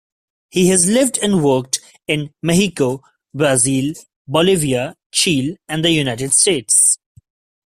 He has lived and worked in Mexico, Brazil, Bolivia, Chile and the United States.